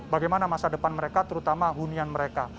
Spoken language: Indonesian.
bagaimana masa depan mereka terutama hunian mereka